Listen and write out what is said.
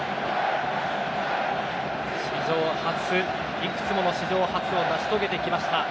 いくつもの史上初を成し遂げてきました